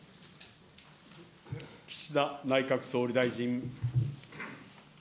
岸田内閣総理大臣。